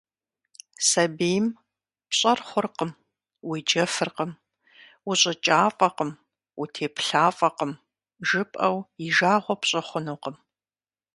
Сабийм «пщӀэр хъуркъым, уеджэфыркъым, ущӀыкӀафӀэкъым, утеплъафӀэкъым», жыпӏэу и жагъуэ пщӏы хъунукъым.